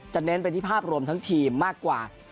เน้นไปที่ภาพรวมทั้งทีมมากกว่า